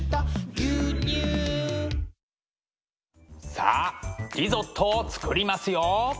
さあリゾットを作りますよ。